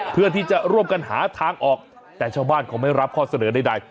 เพื่อที่จะร่วมกันหาทางออกแต่ชาวบ้านเขาไม่รับข้อเสนอใด